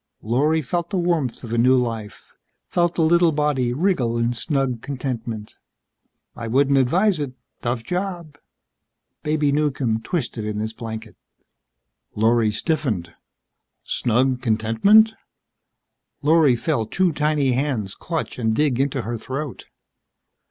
Lorry felt the warmth of a new life, felt the little body wriggle in snug contentment. "I wouldn't advise it. Tough job." Baby Newcomb twisted in his blanket. Lorry stiffened. Snug contentment? Lorry felt two tiny hands clutch and dig into her throat.